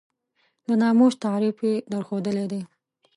د ناموس تعریف یې درښودلی دی.